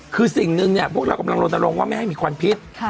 คือสิ่งหนึ่งเนี่ยพวกเรากำลังโรนโรงว่าไม่ให้มีควันพิษ